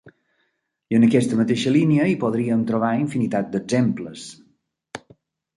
I, en aquesta mateixa línia, hi podríem trobar infinitat d'exemples.